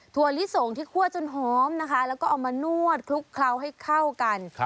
ลิสงที่คั่วจนหอมนะคะแล้วก็เอามานวดคลุกเคล้าให้เข้ากัน